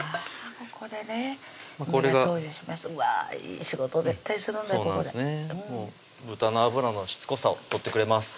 ここで豚の脂のしつこさを取ってくれます